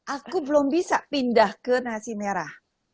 aku belum bisa pindah ke nasi merah